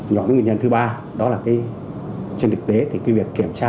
nhóm nguyên nhân thứ ba đó là trên thực tế thì việc kiểm tra